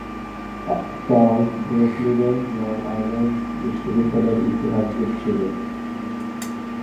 পল ব্রুকলিনের Long Island বিশ্ববিদ্যালয়ের ইতিহাসবিদ ছিলেন।